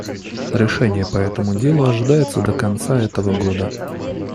Решение по этому делу ожидается до конца этого года.